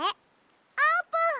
あーぷん！